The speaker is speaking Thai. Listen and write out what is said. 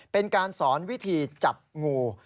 เป็นการสอนวิธีจับงู